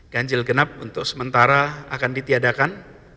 ganjil genap untuk sementara akan ditiadakan